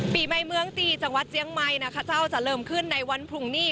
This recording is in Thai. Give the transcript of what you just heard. ปีไม้เมืองตีจังหวัดเจียงใหม่จะเริ่มขึ้นในวันพรุ่งนี้